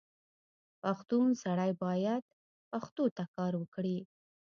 پښتون سړی باید پښتو ته کار وکړي.